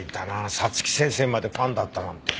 早月先生までファンだったなんて。